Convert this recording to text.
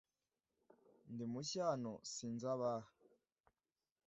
Ndi mushya hano sinzi abaha.